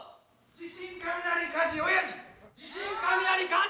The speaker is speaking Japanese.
地震雷火事おやじ！